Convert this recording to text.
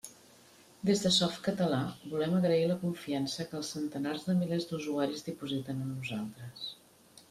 Des de Softcatalà, volem agrair la confiança que els centenars de milers d'usuaris dipositen en nosaltres.